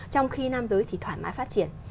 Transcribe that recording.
trong khi nam giới thì thoải mái phát triển